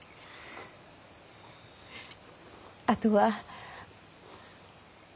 あとは。